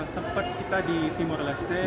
sempat kita di timur leste